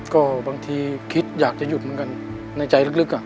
ก็บางทีคิดอยากจะหยุดเหมือนกันในใจลึก